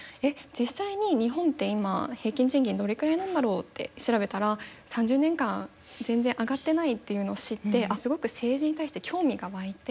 実際に日本って今平均賃金どれくらいなんだろうって調べたら３０年間全然上がってないっていうのを知ってすごく政治に対して興味が湧いて。